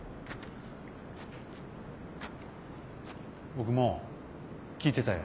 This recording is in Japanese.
僕も聴いてたよ。